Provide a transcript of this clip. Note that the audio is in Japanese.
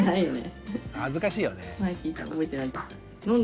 恥ずかしいよね。